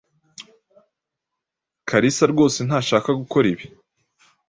Kalisa rwose ntashaka gukora ibi.